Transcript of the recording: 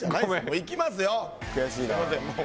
いきます！